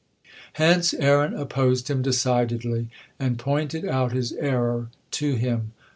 Hence Aaron opposed him decidedly and pointed out his error to him.